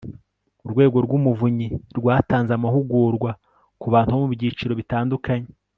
urwego rw'umuvunyi rwatanze amahugurwa ku bantu bo mu byiciro bitandukanye